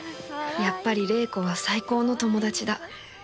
やっぱり玲子は最高の友達だ